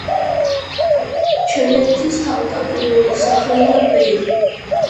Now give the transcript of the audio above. ჩელეთის თავდაპირველი სახელია „ბერ“.